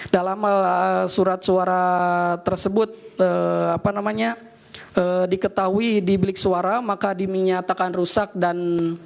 dalam surat suara tersebut diketahui di bilik suara maka dinyatakan rusak dan